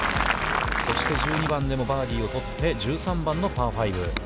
そして１２番でもバーディーを取って、１３番のパー５。